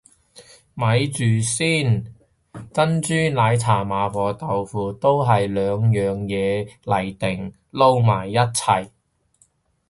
咪住先，珍珠奶茶麻婆豆腐係兩樣嘢嚟定撈埋一齊